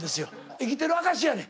生きてる証しやねん。